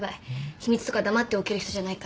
秘密とか黙っておける人じゃないから。